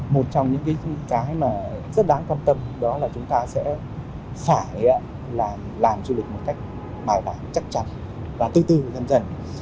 một trong những cái mà rất đáng quan tâm đó là chúng ta sẽ phải làm du lịch một cách bài bản chắc chắn và từ từ dần dần